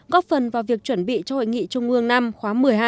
góp phần vào việc chuẩn bị cho hội nghị trung ương năm khóa một mươi hai